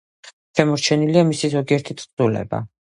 შემორჩენილია მისი ზოგიერთი თხზულება.